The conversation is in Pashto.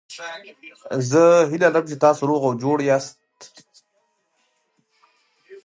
زه هیله لرم چې تاسو روغ او جوړ یاست.